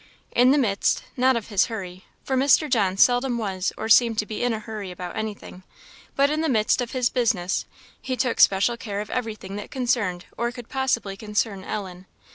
In the midst, not of his hurry for Mr. John seldom was or seemed to be in a hurry about anything but in the midst of his business, he took special care of everything that concerned, or could possibly concern, Ellen.